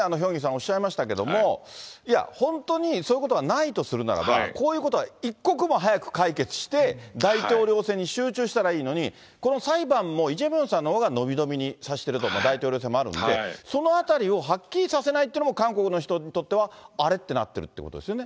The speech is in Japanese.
おっしゃいましたけど、いや、本当にそういうことがないとするならば、こういうことは一刻も早く解決して、大統領選に集中したらいいのに、この裁判もイ・ジェミョンさんのほうが延び延びにさせていると、大統領選もあるんで、そのあたりをはっきりさせないというのも、韓国の人からするとあれ？となってるということですよね。